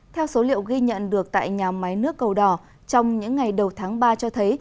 theo số liệu ghi nhận được tại nhà máy nước cầu đỏ trong những ngày đầu tháng ba cho thấy